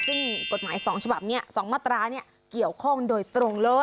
ซึ่งกฎหมาย๒ฉบับนี้๒มาตราเกี่ยวข้องโดยตรงเลย